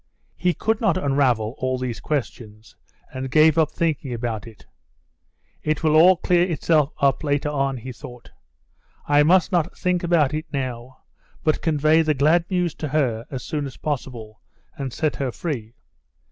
He could not unravel all these questions, and gave up thinking about it. "It will all clear itself up later on," he thought; "I must not think about it now, but convey the glad news to her as soon as possible, and set her free."